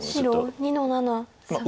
白２の七サガリ。